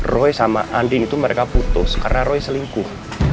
roy sama andin itu mereka putus karena roy selingkuh